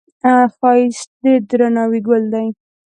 ښایست د درناوي ګل دی